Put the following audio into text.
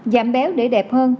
giảm béo để đẹp hơn